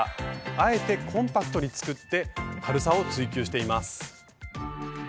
あえてコンパクトに作って軽さを追求しています。